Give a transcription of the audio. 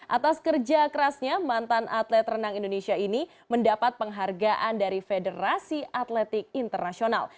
atas kerja kerasnya mantan atlet renang indonesia ini mendapat penghargaan dari federasi atletik internasional